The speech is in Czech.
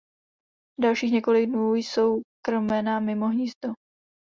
Dalších několik dnů jsou krmena mimo hnízdo.